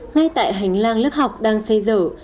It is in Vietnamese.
ngay tại hành lang lớp học đang xây dở